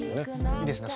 いいですね